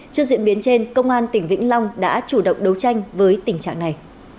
trước diễn biến trên công an tỉnh vĩnh long đã chủ động đấu tranh với tình trạng này